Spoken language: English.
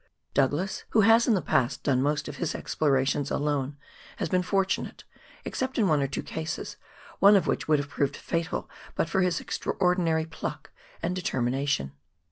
Douglas, who has in the past done most of his explorations alone, has been fortunate, except in one or two cases, one of which would have proved fatal but for his extraordinary pluck and determination.